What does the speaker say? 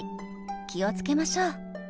気をつけましょう。